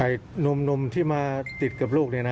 หนุ่มที่มาติดกับลูกเนี่ยนะ